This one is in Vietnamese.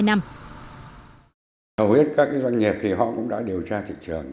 hầu hết các doanh nghiệp thì họ cũng đã điều tra thị trường